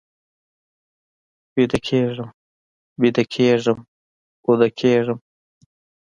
اوده کیږم